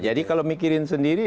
jadi kalau mikirin sendiri